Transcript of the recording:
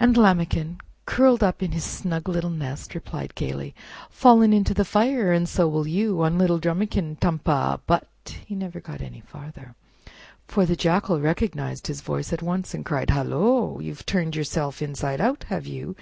And Lambikin, curled up in his snug little nest, replied gayly: "Fallen into the fire, and so will you On little Drumikin! Tum pa—" But he never got any further, for the Jackal recognized his voice at once, arid cried: "Hullo! you've turned yourself inside out, have you?